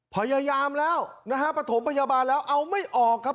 พยายามแล้วนะฮะประถมพยาบาลแล้วเอาไม่ออกครับ